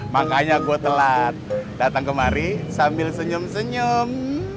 makanya gue telat datang kemari sambil senyum senyum